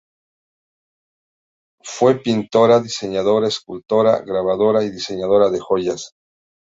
Fue pintora, diseñadora, escultora, grabadora y diseñadora de joyas.